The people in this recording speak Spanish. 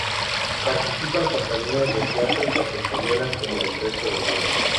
Participan compañías de teatro tanto españolas como del resto del mundo.